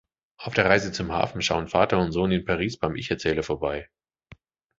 Auf der Reise zum Hafen schauen Vater und Sohn in Paris beim Ich-Erzähler vorbei.